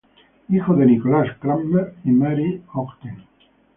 Hijo de Nicholas Cranmer y Mary Ogden.